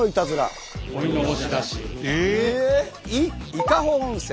「伊香保温泉」。